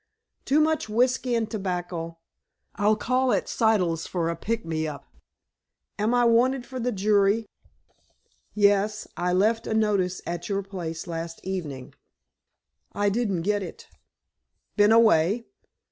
"Too much whiskey and tobacco. I'll call at Siddle's for a 'pick me up.' Am I wanted for the jury?" "Yes. I left a notice at your place last evening." "I didn't get it." "Been away?"